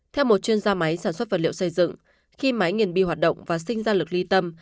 theo một chuyên gia máy sản xuất vật liệu xây dựng khi máy nghiền bi hoạt động và sinh ra lực ly tâm